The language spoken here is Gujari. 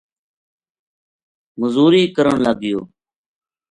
مزوری کرن لگ گیو